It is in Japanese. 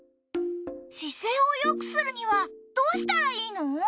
姿勢をよくするにはどうしたらいいの？